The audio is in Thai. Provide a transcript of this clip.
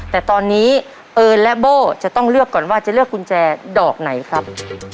แต่ตอนนี้เอิญและโบ้จะต้องเลือกก่อนว่าจะเลือกกุญแจดอกไหนครับ